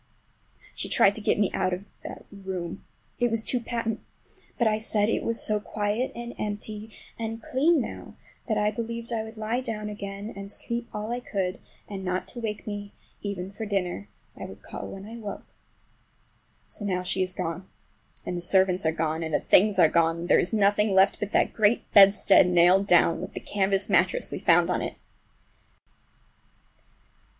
She tried to get me out of the room—it was too patent! But I said it was so quiet and empty and clean now that I believed I would lie down again and sleep all I could; and not to wake me even for dinner—I would call when I woke. So now she is gone, and the servants are gone, and the things are gone, and there is nothing left but that great bedstead nailed down, with the canvas mattress we found on it.